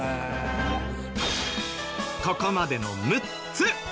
ここまでの６つ。